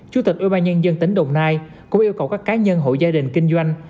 chủ tịch ubnd tỉnh đồng nai cũng yêu cầu các cá nhân hộ gia đình kinh doanh